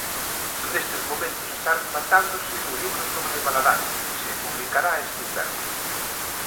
Nestes momentos está rematándose o libro sobre Valadares, que se publicará este inverno.